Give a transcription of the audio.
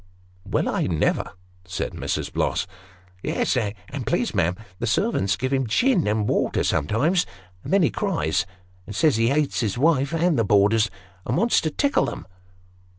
" Well, I never !" said Mrs. Bloss. " Yes. And please, ma'am, the servants gives him gin and water sometimes ; and then he cries, and says he hates his wife and the boarders, and wants to tickle them."